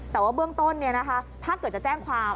แต่ว่าเบื้องต้นถ้าเกิดจะแจ้งความ